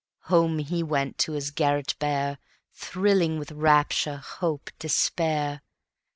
Home he went to his garret bare, Thrilling with rapture, hope, despair.